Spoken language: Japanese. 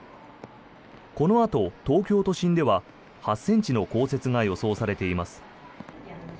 このあと東京都心では８ｃｍの降雪が予想されています。